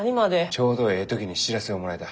ちょうどえい時に知らせをもらえた。